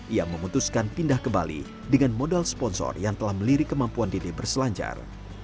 ia memutuskan pindah ke bali dengan modal sponsor yang telah melirik kemampuan dede berselancar